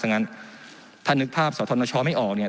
งั้นถ้านึกภาพสธนชไม่ออกเนี่ย